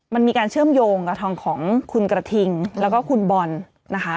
มันมีการเชื่อมโยงกับทองของคุณกระทิงแล้วก็คุณบอลนะคะ